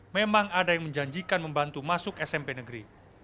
memang ada yang menjanjikan membantu masuk smp negeri